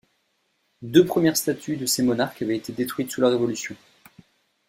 Deux premières statues de ces monarques avaient été détruites sous la Révolution.